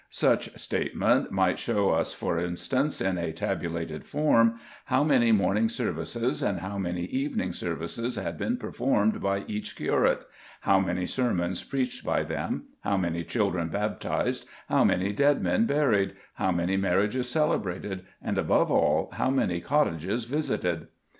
Such statement might show us for instance, in a tabulated form, how many morning services and how many evening services had been performed by each curate, how many sermons preached by him, how many children baptized, how many dead men buried, how many marriages celebrated, and, above all, how many cottages visited.